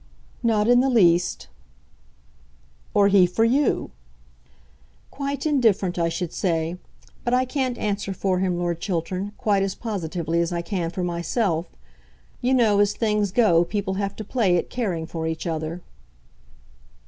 "Not in the least." "Or he for you." "Quite indifferent, I should say; but I can't answer for him, Lord Chiltern, quite as positively as I can for myself. You know, as things go, people have to play at caring for each other."